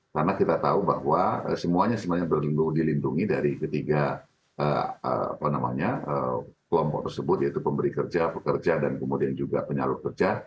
karena kita tahu bahwa semuanya sebenarnya perlu dilindungi dari ketiga kelompok tersebut yaitu pemberi kerja pekerja dan kemudian juga penyalur kerja